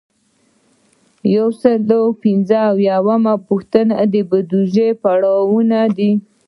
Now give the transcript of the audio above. یو سل او پنځه اویایمه پوښتنه د بودیجې پړاوونه دي.